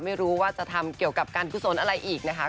ไม่รู้ว่าจะทำเกี่ยวกับการกุศลอะไรอีกนะคะ